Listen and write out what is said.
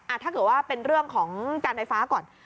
ถ้าเกิดว่าเป็นเรื่องของการไฟฟ้าก่อน